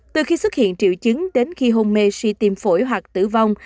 từ khi xuất hiện triệu chứng đến khi hôn mê suy tim phổi hoặc tử vong